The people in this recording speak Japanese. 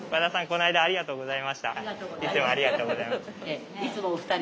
この間ありがとうございました。